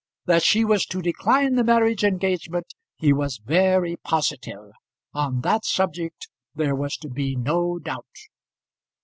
That she was to decline the marriage engagement, he was very positive; on that subject there was to be no doubt.